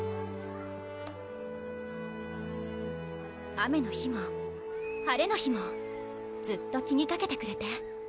雨の日も晴れの日もずっと気にかけてくれて・